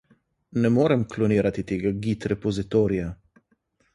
Ne morem klonirati tega git repozitorija.